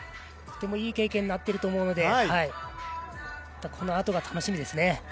とてもいい経験になっていると思うので、このあとが楽しみですね。